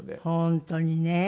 本当にね。